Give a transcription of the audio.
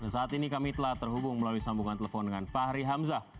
saat ini kami telah terhubung melalui sambungan telepon dengan fahri hamzah